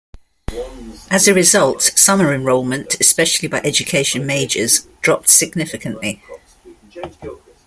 As a result, summer enrollment, especially by education majors, dropped significantly.